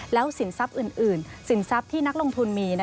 สินทรัพย์อื่นสินทรัพย์ที่นักลงทุนมี